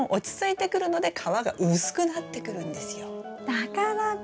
だからか。